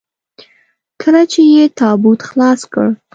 کله چې يې تابوت خلاص کړ.